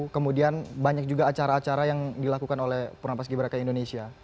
kemudian banyak juga acara acara yang dilakukan oleh purna paski beraka indonesia